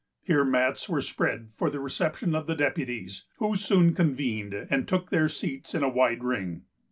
Here mats were spread for the reception of the deputies, who soon convened, and took their seats in a wide ring.